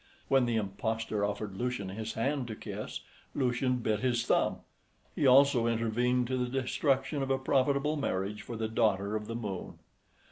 When the impostor offered Lucian his hand to kiss, Lucian bit his thumb; he also intervened to the destruction of a profitable marriage for the daughter of the Moon.